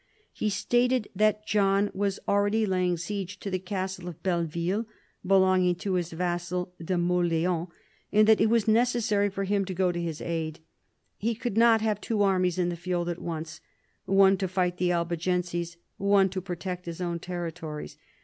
He stated that John was already laying siege to the castle of Belleville, belonging to his vassal de Mauleon, and that it was necessary for him to go to its aid. He could not have two armies in the field at once, one to fight the Albigenses, one to protect his own territories.